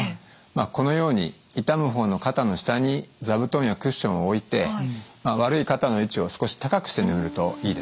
このように痛む方の肩の下に座布団やクッションを置いて悪い肩の位置を少し高くして眠るといいです。